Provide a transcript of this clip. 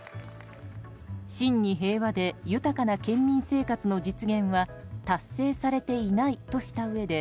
真に平和で豊かな県民生活の実現は達成されていないとしたうえで